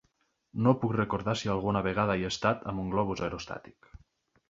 No puc recordar si alguna vegada he estat en un globus aerostàtic.